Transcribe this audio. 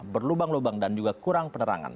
berlubang lubang dan juga kurang penerangan